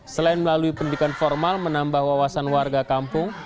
selain melalui pendidikan formal menambah wawasan warga kampung